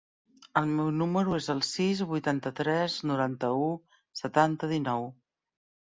El meu número es el sis, vuitanta-tres, noranta-u, setanta, dinou.